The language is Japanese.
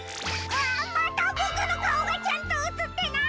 あっまたボクのかおがちゃんとうつってない！